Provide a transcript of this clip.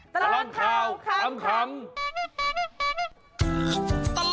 ตลอดข่าวขำ